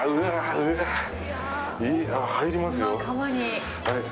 入りますよ